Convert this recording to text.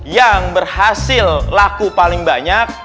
yang berhasil laku paling banyak